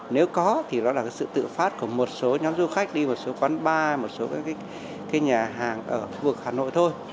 nếu có thì đó là sự tự phát của một số nhóm du khách đi một số quán bar một số các nhà hàng ở khu vực hà nội thôi